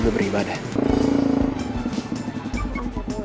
ya mereka cosek